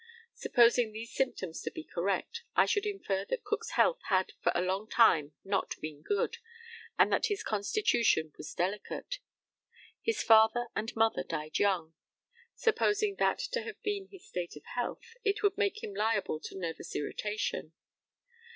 Supposing these symptoms to be correct, I should infer that Cook's health had for a long time not been good, and that his constitution was delicate. His father and mother died young. Supposing that to have been his state of health, it would make him liable to nervous irritation.